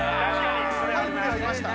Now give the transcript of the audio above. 入ってはいました